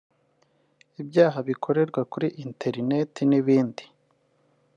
ibyaha bikorerwa kuri interineti n’ibindi